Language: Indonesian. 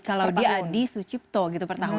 kalau di adi sucipto gitu per tahun